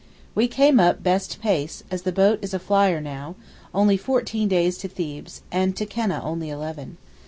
We came up best pace, as the boat is a flyer now, only fourteen days to Thebes, and to Keneh only eleven.